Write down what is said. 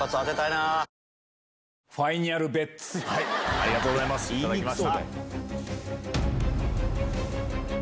ありがとうございます頂きました。